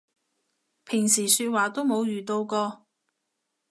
平時說話都冇遇到過